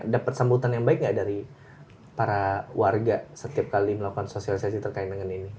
dapat sambutan yang baik nggak dari para warga setiap kali melakukan sosialisasi terkait dengan ini